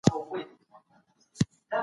وینه ورکول صدقه جاریه ده.